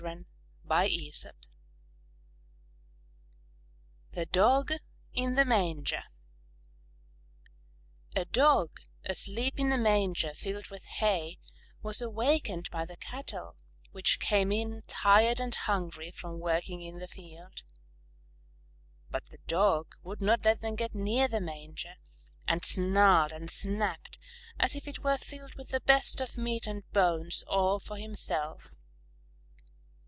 _ THE DOG IN THE MANGER A Dog asleep in a manger filled with hay, was awakened by the Cattle, which came in tired and hungry from working in the field. But the Dog would not let them get near the manger, and snarled and snapped as if it were filled with the best of meat and bones, all for himself.